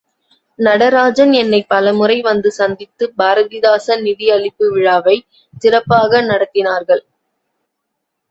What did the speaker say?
நடராஜன் என்னைப் பலமுறை வந்து சந்தித்து பாரதிதாசன் நிதி அளிப்பு விழாவைச் சிறப்பாக நடத்தினார்கள்.